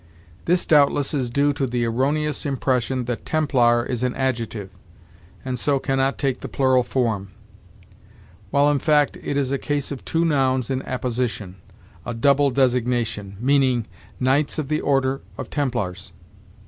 This doubtless is due to the erroneous impression that Templar is an adjective, and so can not take the plural form; while in fact it is a case of two nouns in apposition a double designation meaning Knights of the order of Templars.